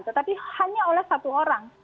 tetapi hanya oleh satu orang